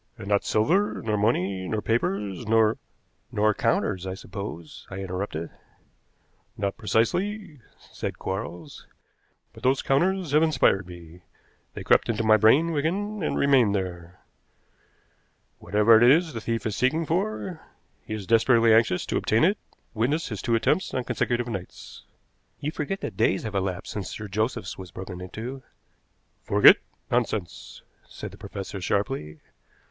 "And not silver, nor money, nor papers, nor " "Nor counters, I suppose," I interrupted. "Not precisely," said Quarles. "But those counters have inspired me. They crept into my brain, Wigan, and remained there. Whatever it is the thief is seeking for, he is desperately anxious to obtain it witness his two attempts on consecutive nights." "You forget that days have elapsed since Sir Joseph's was broken into." "Forget? Nonsense!" said the professor sharply.